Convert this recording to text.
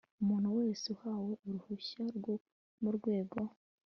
umuntu wese uhawe uruhushya rwo mu rwego